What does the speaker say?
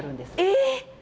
えっ！？